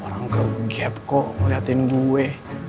orang kegek kok meliatin gue